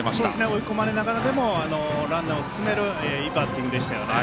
追い込まれながらでもランナーを進めるいいバッティングでしたよね。